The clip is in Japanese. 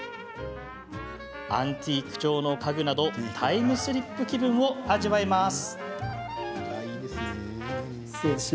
アンティーク調の家具などタイムスリップ気分を味わえます。